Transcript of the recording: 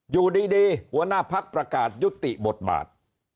อยู่ดีหัวหน้าพักประกาศยุติบทบาท